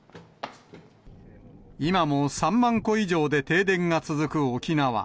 今も３万戸以上で停電が続く沖縄。